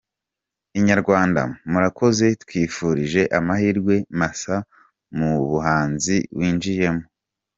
Inyarwanda: Murakoze, tukwifurije amahirwe masa mu buhanzi winjiyemo.